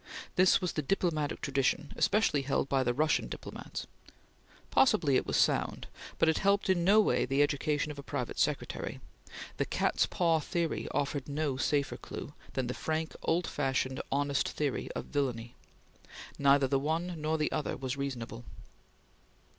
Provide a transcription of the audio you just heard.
This was the diplomatic tradition, especially held by the Russian diplomats. Possibly it was sound, but it helped in no way the education of a private secretary. The cat's paw theory offered no safer clue, than the frank, old fashioned, honest theory of villainy. Neither the one nor the other was reasonable.